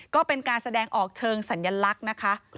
ก็เป็นการแสดงออกเชิงสัญลักษณ์นะคะ